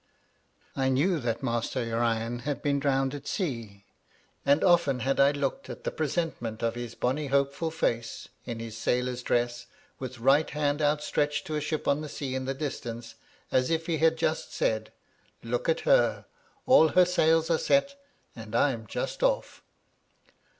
I knew that Master Urian had been drowned at sea ; and often had I looked at the presentment of his bonny hopeful face, in his sailor's dress, with right hand outstretched to a ship on the sea in the distance, as if he had just said, " Look at her ! all her sails are set, and I^m just off."